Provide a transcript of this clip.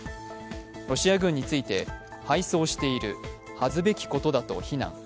ロシア軍について敗走している、恥ずべきことだと非難。